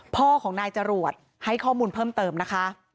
พ่อของนายจรวดให้ข้อมูลเพิ่มเติมนะคะ